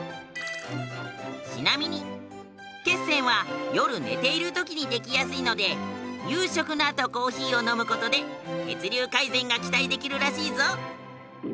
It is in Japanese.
ちなみに血栓は夜寝ている時にできやすいので夕食のあとコーヒーを飲む事で血流改善が期待できるらしいぞ。